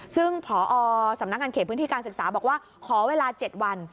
ซึ่งพอสำนักงานเขตพื้นที่การศึกษาบอกว่าขอเวลา๗วัน